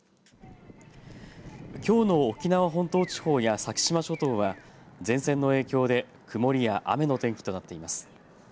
きょうの沖縄本島地方や先島諸島は前線の影響で、曇りや雨の天気となっています。